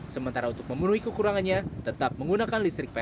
sementara untuk memenuhi kekurangannya tetap menggunakan listrik plt